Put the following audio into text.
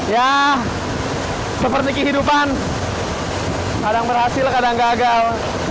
ya seperti kehidupan kadang berhasil kadang gagal